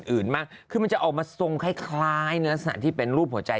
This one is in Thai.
อื่นมากคือมันจะออกมาทรงคล้ายในลักษณะที่เป็นรูปหัวใจ